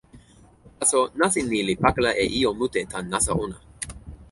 taso nasin ni li pakala e ijo mute tan nasa ona.